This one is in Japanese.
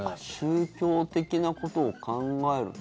宗教的なことを考えると。